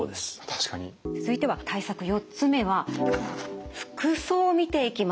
続いては対策４つ目は服装を見ていきます。